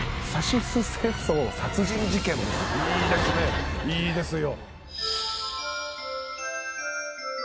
いいですねいいですよ。